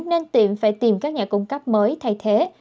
nên tiệm phải tìm các nhà cung cấp mới thay thế